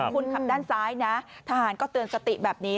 คุณขับด้านซ้ายนะทหารก็เตือนสติแบบนี้